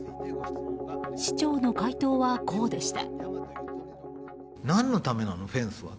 市長の回答はこうでした。